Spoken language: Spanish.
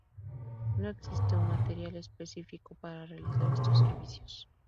No existe un material específico para realizar estos servicios.